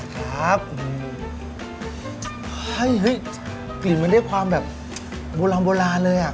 กลิ่นมันได้ความโบราณเลย